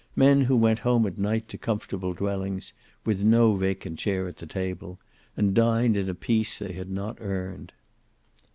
Men who went home at night to comfortable dwellings, with no vacant chair at the table, and dined in a peace they had not earned.